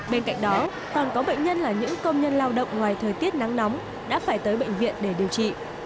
bên cạnh đó còn có bệnh nhân là những công nhân lao động ngoài thời tiết nắng nóng đã phải tới bệnh viện để điều trị